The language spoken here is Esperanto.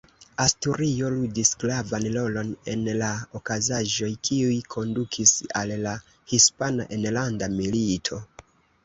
Asturio ludis gravan rolon en la okazaĵoj, kiuj kondukis al la Hispana Enlanda Milito.